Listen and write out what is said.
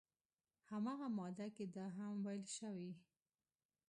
همغه ماده کې دا هم ویل شوي